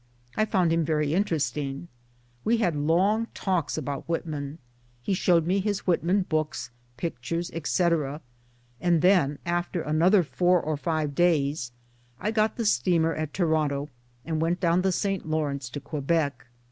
I found him very interesting. We had long talks about Whitman ; he showed me his Whit man books, pictures, etc., and then after another four or five days I got the steamer at Toronto, and went down the St. Lawrence to Quebec.